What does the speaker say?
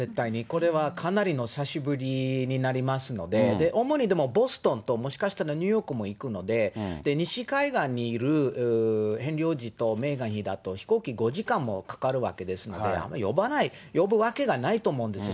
これはかなりの久しぶりになりますので、主にでもボストンと、もしかしたらニューヨークも行くので、西海岸にいるヘンリー王子とメーガン妃だと飛行機５時間もかかるわけですので、あんまり呼ばない、呼ぶわけがないと思うんです。